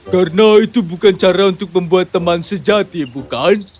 karena itu bukan cara untuk membuat teman sejati bukan